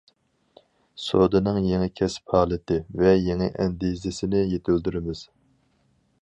سودىنىڭ يېڭى كەسىپ ھالىتى ۋە يېڭى ئەندىزىسىنى يېتىلدۈرىمىز.